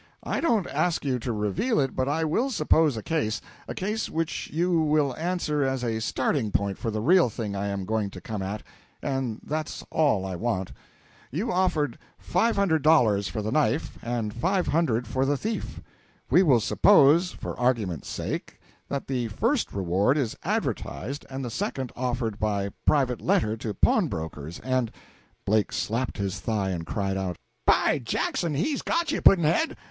I don't ask you to reveal it, but I will suppose a case a case which will answer as a starting point for the real thing I am going to come at, and that's all I want. You offered five hundred dollars for the knife, and five hundred for the thief. We will suppose, for argument's sake, that the first reward is advertised and the second offered by private letter to pawnbrokers and " Blake slapped his thigh, and cried out "By Jackson, he's got you, Pudd'nhead!